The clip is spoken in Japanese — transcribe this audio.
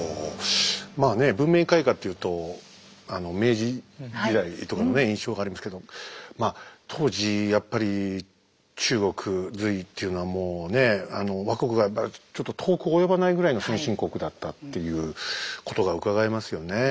まあね文明開化っていうと明治時代とかのね印象がありますけどまあ当時やっぱり中国隋っていうのはもうねえ倭国がやっぱりちょっと遠く及ばないぐらいの先進国だったっていうことがうかがえますよね。